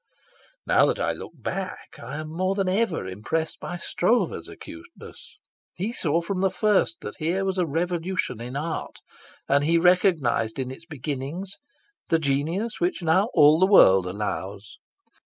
Now that I look back I am more than ever impressed by Stroeve's acuteness. He saw from the first that here was a revolution in art, and he recognised in its beginnings the genius which now all the world allows.